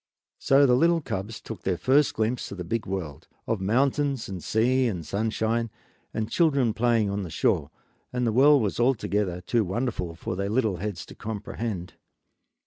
So the little cubs took their first glimpse of the big world, of mountains and sea and sunshine, and children playing on the shore, and the world was altogether too wonderful for little heads to comprehend.